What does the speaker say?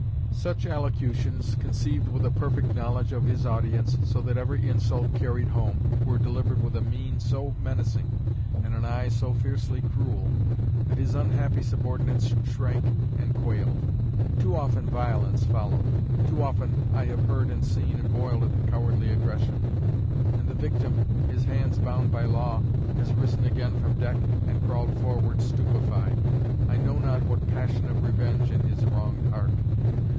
Such allocutions, conceived with a perfect knowledge of his audience, so that every insult carried home, were delivered with a mien so menacing, and an eye so fiercely cruel, that his unhappy subordinates shrank and quailed. Too often violence followed; too often I have heard and seen and boiled at the cowardly aggression; and the victim, his hands bound by law, has risen again from deck and crawled forward stupefied I know not what passion of revenge in his wronged heart.